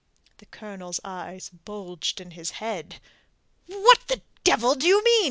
The Colonel's eyes bulged in his head. "What the devil do you mean?"